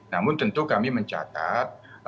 namun tentu kami mencatat